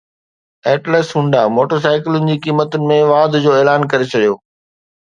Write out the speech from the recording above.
atlas Honda motor سائيڪلن جي قيمتن ۾ واڌ جو اعلان ڪري ڇڏيو